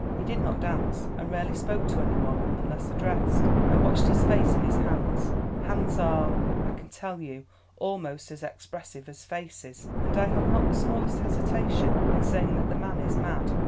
He did not dance, and rarely spoke to any one, unless addressed. I watched his face and his hands hands are, I can tell you, almost as expressive as faces and I have not the smallest hesitation in saying that the man is mad.